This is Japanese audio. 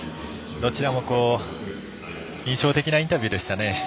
どちらも印象的なインタビューでしたね。